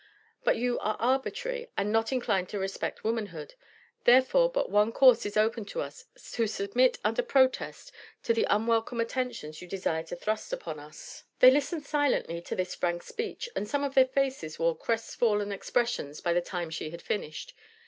But you are arbitrary and not inclined to respect womanhood. Therefore but one course is open to us to submit under protest to the unwelcome attentions you desire to thrust upon us." They listened silently to this frank speech, and some of their faces wore crestfallen expressions by the time she had finished.